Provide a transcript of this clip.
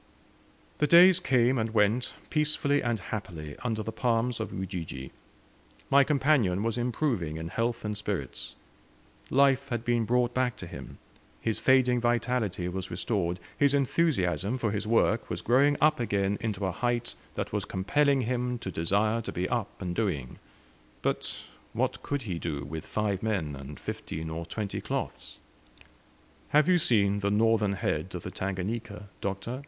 The days came and went peacefully and happily, under the palms of Ujiji. My companion was improving in health and spirits. Life had been brought back to him; his fading vitality was restored, his enthusiasm for his work was growing up again into a height that was compelling him to desire to be up and doing. But what could he do, with five men and fifteen or twenty cloths? "Have you seen the northern head of the Tangannka, Doctor?"